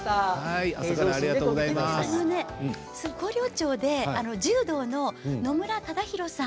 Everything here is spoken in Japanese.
広陵町で柔道の野村忠宏さん